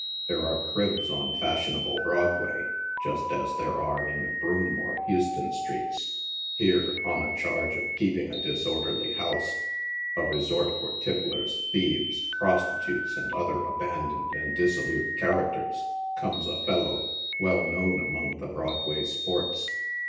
There are " cribs" on fashionable Broadway just as there are in Broome or Houston streets. Here, on a charge of keeping a disorderly house —" a resort for tipplers, thieves, prostitutes, and other aban doned and dissolute characters" — comes a fellow well known among the Broadway " sports."